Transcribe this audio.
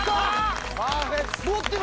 パーフェクト！